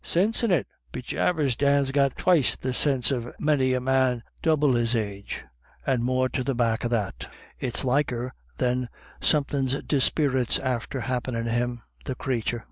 u Sinse is it ? Bejabers Dan's got twyste the sinse of many a man double his age, and more to the back of that" ° It's liker, then, somethin' disprit's after hap penin* him — the crathur.